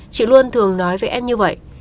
chị luôn thường nói với em như vậy